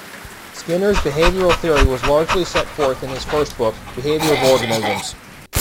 Skinner's behavioral theory was largely set forth in his first book, "Behavior of Organisms".